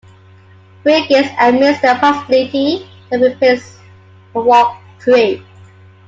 Brigance admits the possibility that the rapists will walk free.